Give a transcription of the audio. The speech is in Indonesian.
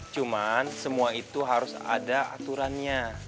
cuma semua itu harus ada aturannya